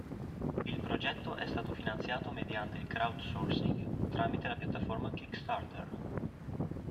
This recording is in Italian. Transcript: Il progetto è stato finanziato mediante il crowdsourcing, tramite la piattaforma kickstarter.